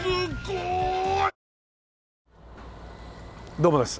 どうもです。